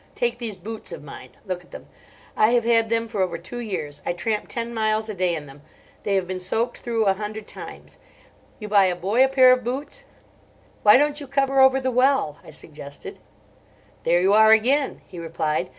Take these boots of mine. Look at them; I have had them for over two years. I tramp ten miles a day in them; they have been soaked through a hundred times. You buy a boy a pair of boots—" "Why don't you cover over the well?" I suggested. "There you are again," he replied.